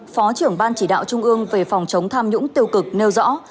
phó trưởng ban chỉ đạo trung ương về phòng chống tham nhũng tiêu cực nêu rõ